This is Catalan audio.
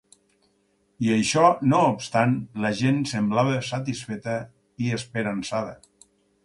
I, això no obstant, la gent semblava satisfeta i esperançada.